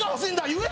言え！